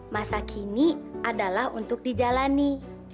masa kini adalah untuk dijalani